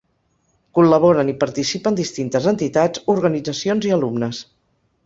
Col·laboren i participen distintes entitats, organitzacions i alumnes.